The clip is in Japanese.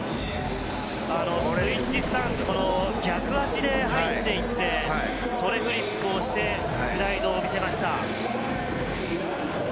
スイッチスタンス、逆足で入っていって、トレフリップをしてスライドを見せました。